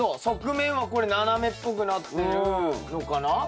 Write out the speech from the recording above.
側面はこれ斜めっぽくなってるのかな？